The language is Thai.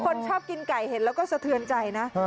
ชอบกินไก่เห็นแล้วก็สะเทือนใจนะ